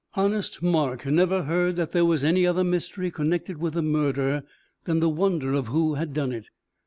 Honest Mark never heard that there was any other mystery connected with the murder than the wonder of who had done it.